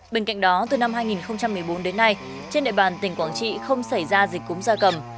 bên cạnh đó từ năm hai nghìn một mươi bốn đến nay trên địa bàn tỉnh quảng trị không xảy ra dịch cúm gia cầm